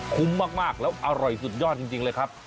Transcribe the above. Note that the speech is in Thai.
คุ้มมากแล้วอร่อยสุดยอดจริงเลยครับ